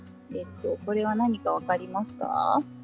これは何か分かりますか？